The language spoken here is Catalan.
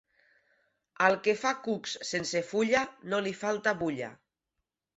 Al que fa cucs sense fulla, no li falta bulla.